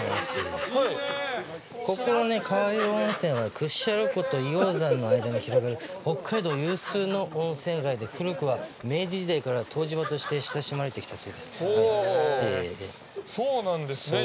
川湯温泉は屈斜路湖と硫黄山の間に広がる北海道有数の温泉街で古くは明治時代から湯治場として親しまれてきたそうです。